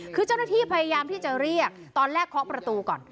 คือเจ้าหน้าที่พยายามที่จะเรียกตอนแรกเคาะประตูก่อน